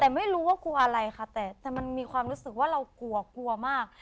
แต่ไม่รู้ว่ากลัวอะไรค่ะแต่มันมีความรู้สึกว่าเรากลัวกลัวมาก